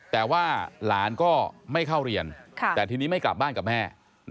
แต่ว่าหลานก็ไม่เข้าเรียนแต่ทีนี้ไม่กลับบ้านกับแม่